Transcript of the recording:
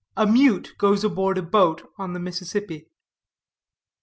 A MUTE GOES ABOARD A BOAT ON THE MISSISSIPPI.